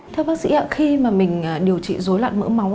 thưa bác sĩ ạ khi mà mình điều trị dối loạn mỡ máu